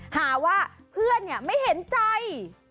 หาว่าเพื่อนไม่เห็นใจ